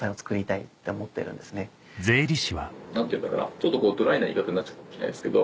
ちょっとドライな言い方になっちゃうかもしれないですけど。